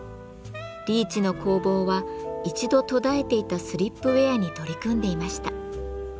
リーチの工房は一度途絶えていたスリップウェアに取り組んでいました。